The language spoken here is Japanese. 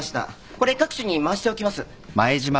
これ各所に回しておきます。